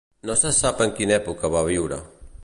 No se sap en quina època va viure.